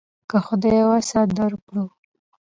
که خدای وس درکړو.